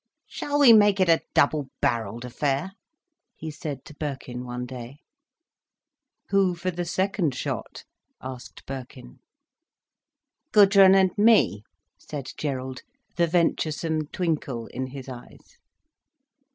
"Shall we make it a double barrelled affair?" he said to Birkin one day. "Who for the second shot?" asked Birkin. "Gudrun and me," said Gerald, the venturesome twinkle in his eyes.